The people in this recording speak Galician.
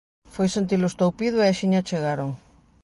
Foi sentir o estoupido e axiña chegaron.